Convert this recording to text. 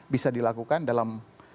bisa dilakukan dalam